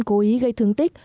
cố ý gây thương tích